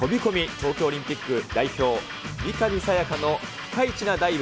東京オリンピック代表、三上紗也可のピカイチなダイブ。